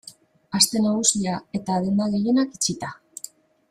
Aste Nagusia eta denda gehienak itxita.